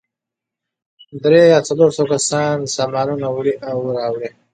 درې یا څلور سوه کسان سامانونه وړي او راوړي.